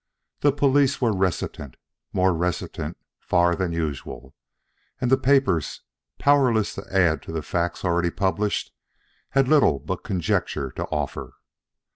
The police were reticent, more reticent far than usual, and the papers, powerless to add to the facts already published, had little but conjectures to offer.